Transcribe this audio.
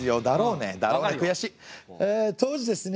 当時ですね